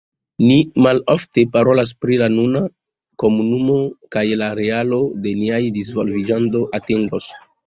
Ni malofte parolas pri la nuna komunumo kaj la realo de niaj disvolviĝantaj atingoj.